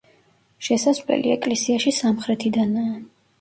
შესასვლელი ეკლესიაში სამხრეთიდანაა.